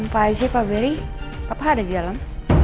pak aj pak berry papa ada di dalam